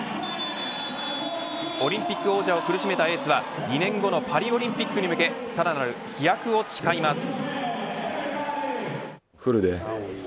オリンピック王者を苦しめたエースは２年後のパリオリンピックに向けさらなる飛躍を誓います。